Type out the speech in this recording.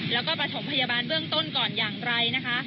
แล้วก็ประถมพยาบาลเบื้องต้นก่อนอย่างไรนะคะ